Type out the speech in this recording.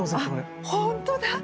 あ本当だ！